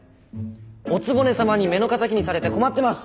「お局様に目の敵にされて困ってます」。